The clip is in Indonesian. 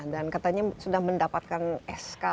dan katanya sudah mendapatkan sk